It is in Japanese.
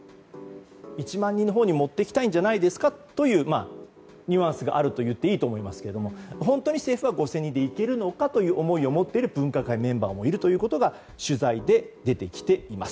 １万人のほうに持っていきたいんじゃないですかというニュアンスがあるといっていいと思いますが本当に政府は５０００人でいけるかという思いを持っている分科会メンバーがいるというのが取材で出てきています。